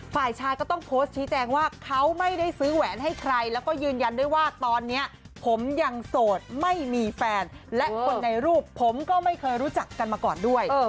ฝ่ายชายก็ต้องโพสต์ชี้แจงว่าเขาไม่ได้ซื้อแหวนให้ใครแล้วก็ยืนยันด้วยว่าตอนนี้ผมยังโสดไม่มีแฟนและคนในรูปผมก็ไม่เคยรู้จักกันมาก่อนด้วย